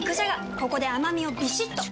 ここで甘みをビシッと！